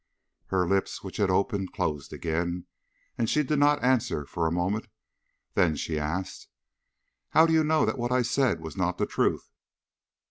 Her lips, which had opened, closed again, and she did not answer for a moment; then she asked: "How do you know that what I said was not the truth?"